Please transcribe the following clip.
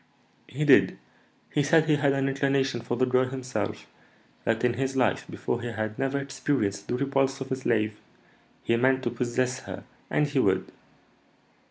"He did. He said he had an inclination for the girl himself; that in his life before he had never experienced the repulse of a slave; he meant to possess her, and he would.